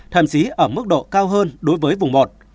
thậm chí ở mức độ cao hơn đối với vùng một